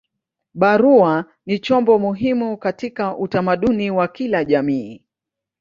Barua ni chombo muhimu katika utamaduni wa kila jamii.